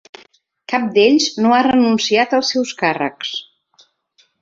Cap d’ells no ha renunciat als seus càrrecs.